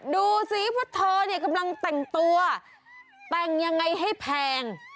ดูสีพัดเธอกำลังแต่งตัวแต่งยังไงให้แพง